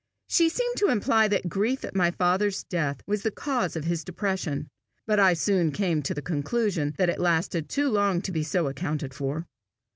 She seemed to imply that grief at my father's death was the cause of his depression, but I soon came to the conclusion that it lasted too long to be so accounted for.